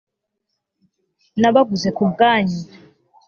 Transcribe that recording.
nabaguze kubwanyu